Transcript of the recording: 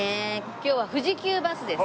今日は富士急バスです。